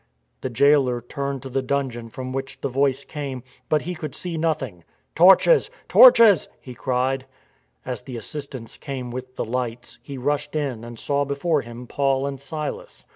The jailer turned to the dungeon from which the voice came, but he could see nothing. " Torches ! Torches !" he cried. As the assistants came with the lights, he rushed in and saw before him Paul and Silas.